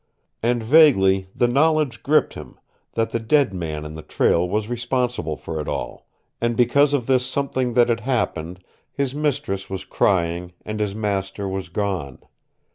And vaguely the knowledge gripped him that the dead man back in the trail was responsible for it all, and that because of this something that had happened his mistress was crying and his master was gone.